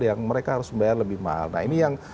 yang mereka harus membayar lebih mahal nah ini yang